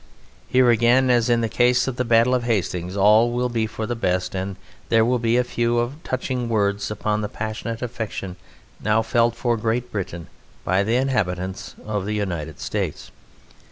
Here again, as in the case of the Battle of Hastings, all will be for the best, and there will be a few touching words upon the passionate affection now felt for Great Britain by the inhabitants of the United States.